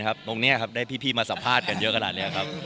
ได้รับผลครับตรงเนี่ยครับได้พี่มาสัมภาษณ์กันเยอะขนาดนี้ครับ